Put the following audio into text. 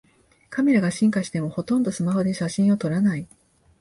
カメラが進化してもほとんどスマホで写真を撮らない